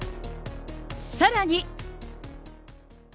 さらに。